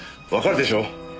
わかるでしょう？